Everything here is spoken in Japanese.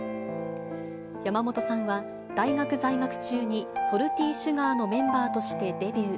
山本さんは、大学在外中にソルティー・シュガーのメンバーとしてデビュー。